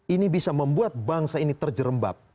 ini bisa membuat bangsa ini terjerembab